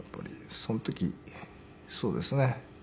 その時そうですね。